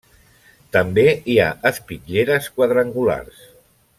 També hi ha espitlleres quadrangulars.